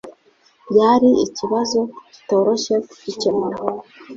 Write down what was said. Byari ikibazo kitoroshye kugikemura.